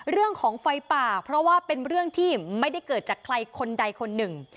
เรื่องของไฟป่าเพราะว่าเป็นเรื่องที่ไม่ได้เกิดจากใครคนใดคนหนึ่ง